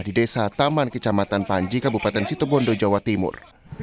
di desa taman kecamatan panji kabupaten situbondo jawa timur